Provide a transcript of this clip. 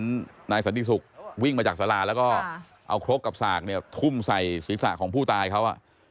นายสันติศุกร์วิ่งมาจากสาราแล้วก็เอาครกกับสากเนี่ยทุ่มใส่ศีรษะของผู้ตายเขา